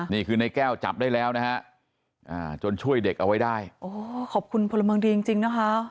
นี่คือในแก้วจับได้แล้วนะฮะจนช่วยเด็กเอาไว้ได้โอ้ขอบคุณพลเมืองดีจริงจริงนะคะ